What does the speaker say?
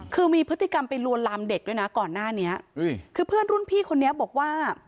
คือมีพฤติกรรมไปลวนลามเด็กด้วยนะก่อนหน้านี้คือเพื่อนรุ่นพี่คนนี้บอกว่า